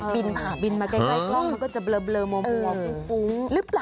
บินมาใกล้คล้องมันก็จะเบลอมัวปุ๊บปุ๊บ